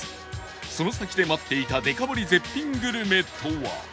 その先で待っていたデカ盛り絶品グルメとは？